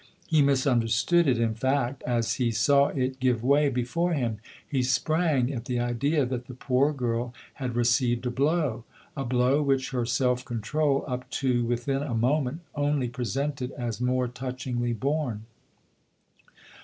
He misunderstood it in fact, as he saw it give way before him : he F 82 THE OTHER HOUSE sprang at the idea that the poor girl had received a blow a blow which her self control up to within a moment only presented as more touchingly borne.